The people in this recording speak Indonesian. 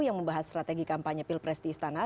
yang membahas strategi kampanye pilpres di istana